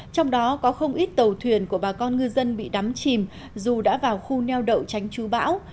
trong đó có không ít tàu thuyền của bà con ngư dân bị đắm chìm dù đã vào khu neo đậu tránh chú bão